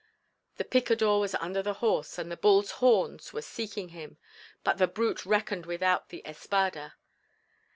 The picador was under the horse and the bull's horns were seeking him, but the brute reckoned without the espada.